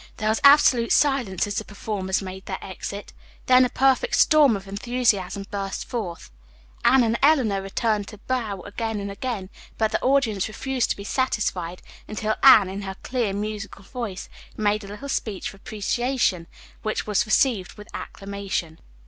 There was absolute silence as the performers made their exit. Then a perfect storm of enthusiasm burst forth. Anne and Eleanor returned to bow again and again, but the audience refused to be satisfied, until Anne, in her clear, musical voice, made a little speech of appreciation, which was received with acclamation.